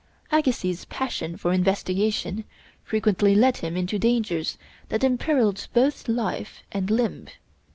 Agassiz's passion for investigation frequently led him into dangers that imperiled both life and limb.